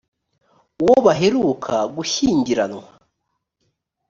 uwo baheruka gushyingiranwa